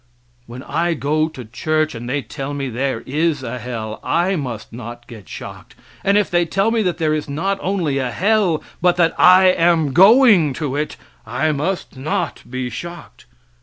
When I go to church and they tell me there is a hell I must not get shocked; and if they tell me that there is not only a hell, but that I am going to it, I must not be shocked.